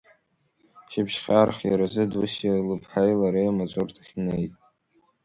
Шьыбжьхьа архиаразы Дусиа лыԥҳаи лареи амаҵурҭахь инеит.